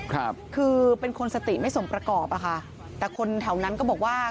ครับคือเป็นคนสติไม่สมประกอบอ่ะค่ะแต่คนแถวนั้นก็บอกว่า